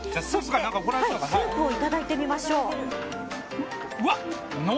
スープをいただいてみましょう。